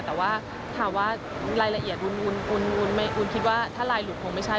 แต่ว่าถามว่ารายละเอียดวุ่นคิดว่าถ้าลายหลุดคงไม่ใช่